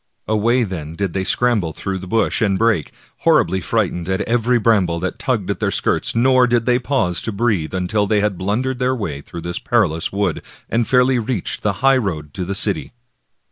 Away, then, did they scramble through bush and brake, horribly frightened at every bram ble that tugged at their skirts, nor did they pause to breathe until they had blundered their way through this perilous wood, and fairly reached the highroad to the city.